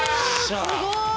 おすごい！